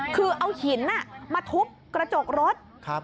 คือเอาหินมาทุบกระจกรถ